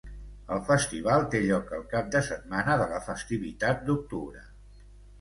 El festival té lloc el cap de setmana de la festivitat d'octubre.